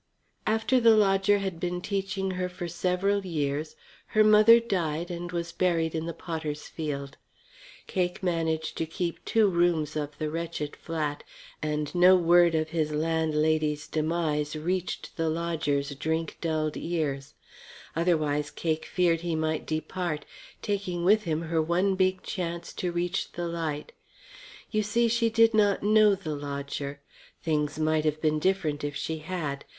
After the lodger had been teaching her for several years her mother died and was buried in the potters' field. Cake managed to keep two rooms of the wretched flat, and no word of his landlady's demise reached the lodger's drink dulled ears. Otherwise Cake feared he might depart, taking with him her one big chance to reach the light. You see, she did not know the lodger. Things might have been different if she had.